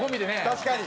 確かに。